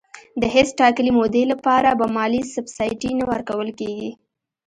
د هیڅ ټاکلي مودې لپاره به مالي سبسایډي نه ورکول کېږي.